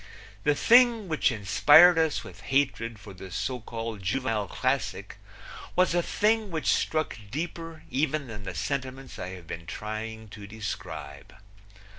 The thing which inspired us with hatred for the so called juvenile classic was a thing which struck deeper even than the sentiments I have been trying to describe.